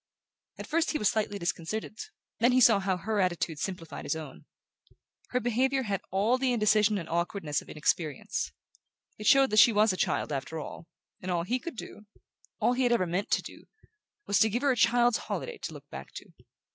At first he was slightly disconcerted; then he saw how her attitude simplified his own. Her behaviour had all the indecision and awkwardness of inexperience. It showed that she was a child after all; and all he could do all he had ever meant to do was to give her a child's holiday to look back to.